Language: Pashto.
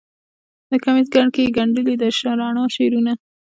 د کمیس ګنډ کې یې ګنډلې د رڼا شعرونه